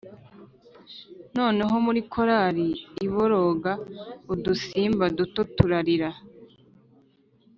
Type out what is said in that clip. noneho muri korari iboroga udusimba duto turarira